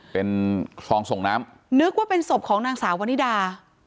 เป็นคลองส่งน้ำนึกว่าเป็นศพของนางสาววนิดา